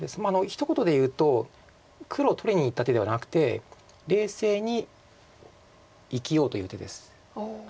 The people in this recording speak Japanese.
ひと言でいうと黒を取りにいった手ではなくて冷静に生きようという手です。